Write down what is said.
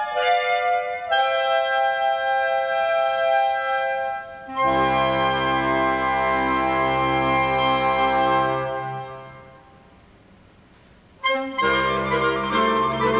โปรดติดตามต่อไป